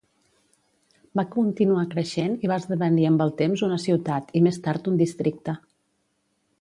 Va continuar creixent i va esdevenir amb el temps una ciutat i més tard un districte.